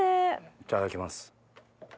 いただきます。